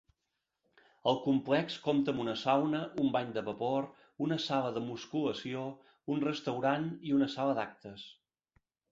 El complex compta amb una sauna, un bany de vapor, una sala de musculació, un restaurant i una sala d'actes.